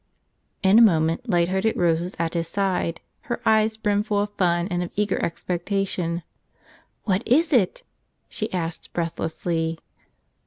In a moment light hearted Rose was at his side, her eyes brimful of fun and of eager expectation. "What is it?" she asked breathlessly.